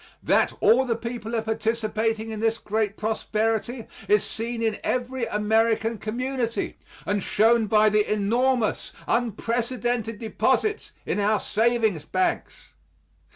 That all the people are participating in this great prosperity is seen in every American community and shown by the enormous and unprecedented deposits in our savings banks.